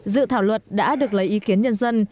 dự thảo luật đã được lấy ý kiến nhân dân